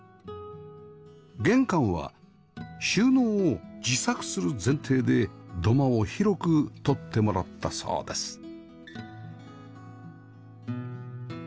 玄関は収納を自作する前提で土間を広く取ってもらったそうです